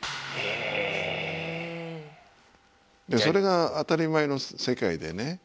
それが当たり前の世界でね